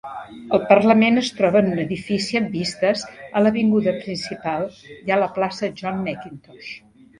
El Parlament es troba en un edifici amb vistes a l'avinguda principal i a la plaça John Mackintosh.